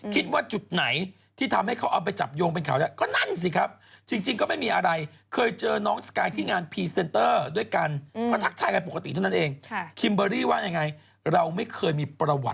คิดว่าจุดไหนที่ทำให้เขาเอาไปจับโยงเป็นข่าวแหละก็นั่นสิครับ